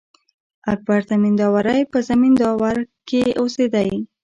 اکبر زمینداوری په زمینداور کښي اوسېدﺉ.